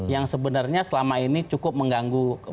yang sebenarnya selama ini cukup mengganggu